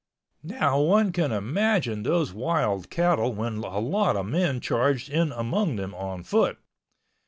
Now one can imagine those wild cattle when a lot of men charged in among them on foot.